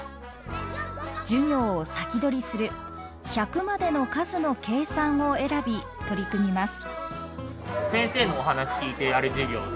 授業を先取りする「１００までのかずのけいさん」を選び取り組みます。